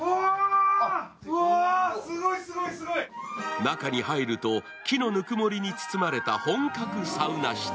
中に入ると木のぬくもりに包まれた本格サウナ室。